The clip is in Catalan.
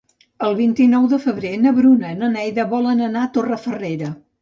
El vint-i-nou de febrer na Bruna i na Neida volen anar a Torrefarrera.